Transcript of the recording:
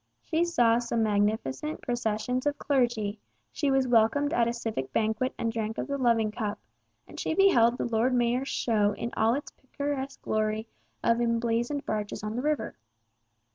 She saw some magnificent processions of clergy, she was welcomed at a civic banquet and drank of the loving cup, and she beheld the Lord Mayor's Show in all its picturesque glory of emblazoned barges on the river.